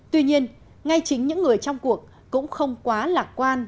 tuy nhiên ngay chính những người trong cuộc cũng không quá lạc quan